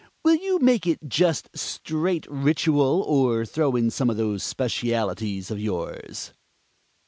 Will you make it just straight ritual, or throw in some of those specialities of yours?"